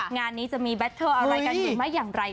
งานนี้จะมีแบตเทอร์อะไรกันหรือไม่อย่างไร